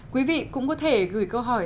quý vị cũng có thể gửi câu hỏi